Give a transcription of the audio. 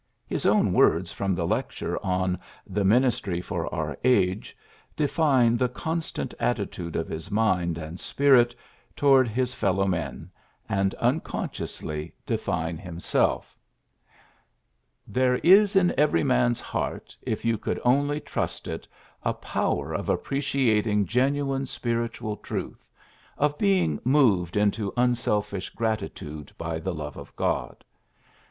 His own words from the lecture on ^^The Ministry for our Age'' define the constant attitude of his mind and spirit toward his fellow men, and un PHILLIPS BROOKS 55 consciously define himself: "There is in every man's heart, if you could only trust it, a power of appreciating genu ine spiritual truth, of being moved into unselfish gratitude by the love of God.